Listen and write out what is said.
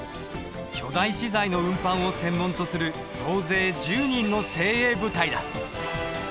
巨大資材の運搬を専門とする総勢１０人の精鋭部隊だ。